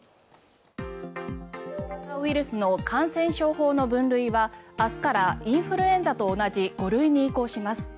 新型コロナウイルスの感染症法の分類は明日からインフルエンザと同じ５類に移行します。